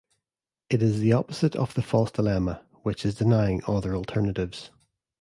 It is the opposite of the false dilemma, which is denying other alternatives.